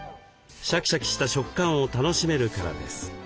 シャキシャキした食感を楽しめるからです。